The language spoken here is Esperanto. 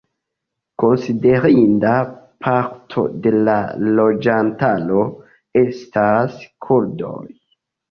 Konsiderinda parto de la loĝantaro estas kurdoj.